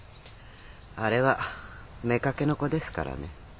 あれは妾の子ですからね。